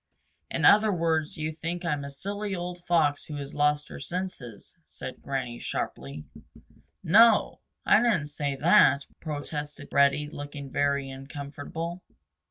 "In other words you think I'm a silly old Fox who has lost her senses," said Granny sharply. "No o. I didn't say that," protested Reddy, looking very uncomfortable.